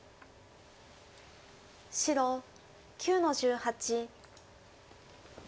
白９の十八。